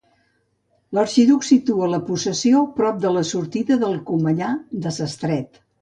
L'Arxiduc situa la possessió prop de la sortida del comellar de s'Estret.